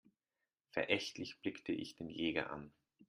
Verächtlich blickte ich den Jäger an.